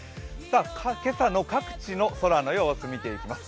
今朝の各地の空の様子を見ていきます。